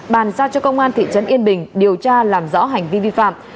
bàn giao cho công an thị trấn yên bình điều tra làm rõ hành vi vi phạm